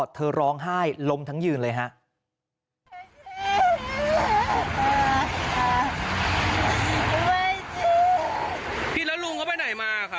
เธอร้องไห้ล้มทั้งยืนเลยฮะ